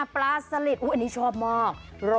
ปลาสลิดอันนี้ชอบมาก